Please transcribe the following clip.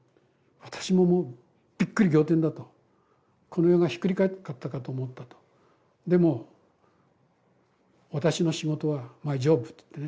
「私ももうびっくり仰天だ」と「この世がひっくり返ったかと思った」と「マイジョブ」って言ってね